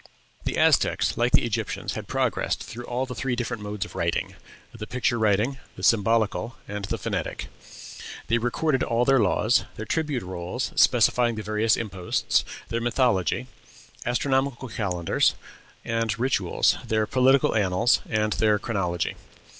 The Aztecs, like the Egyptians, had progressed through all the three different modes of writing the picture writing, the symbolical, and the phonetic. They recorded all their laws, their tribute rolls specifying the various imposts, their mythology, astronomical calendars, and rituals, their political annals and their chronology.